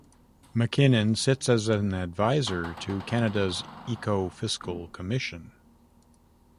MacKinnon sits as an advisor to Canada's Ecofiscal Commission.